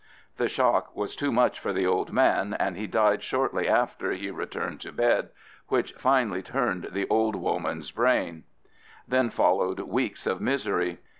The shock was too much for the old man, and he died shortly after he returned to bed, which finally turned the old woman's brain. Then followed weeks of misery.